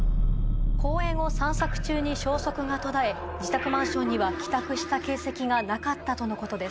公園を散策中に消息が途絶え自宅マンションには帰宅した形跡がなかったとのことです。